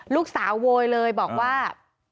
ลูกสาวโวยเลยบอกว่า